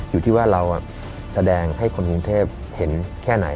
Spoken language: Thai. อยู่ที่ว่าเราแสดงให้คนกรุงเทพเห็นแค่ไหน